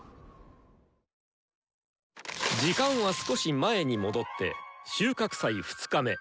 時間は少し前に戻って「収穫祭２日目」！